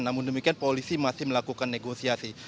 namun demikian polisi masih melakukan negosiasi